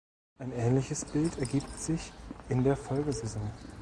Ein ähnliches Bild ergibt sich in der Folgesaison.